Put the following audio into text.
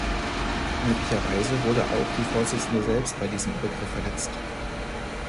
Möglicherweise wurde auch die Vorsitzende selbst bei diesem Übergriff verletzt.